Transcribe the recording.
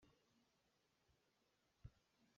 Hmaan na kan thlakpi manh lai maw?